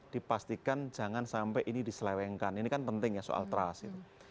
dipastikan jangan sampai ini diselewengkan ini kan penting ya soal trust